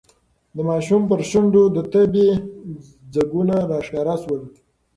د ماشوم پر شونډو د تبې ځگونه راښکاره شول.